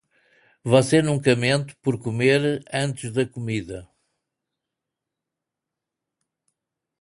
Você nunca mente por comer antes da comida?